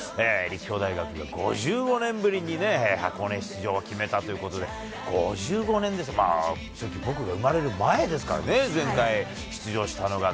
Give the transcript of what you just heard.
立教大学が５５年ぶりにね、箱根出場を決めたということで、５５年ですよ、僕が生まれる前ですからね、前回出場したのが。